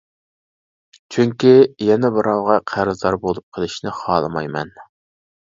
چۈنكى، يەنە بىراۋغا قەرزدار بولۇپ قىلىشنى خالىمايمەن.